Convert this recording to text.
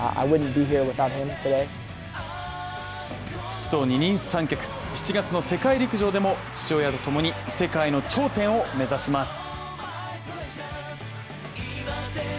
父と二人三脚７月の世界陸上でも父親とともに世界の頂点を目指します。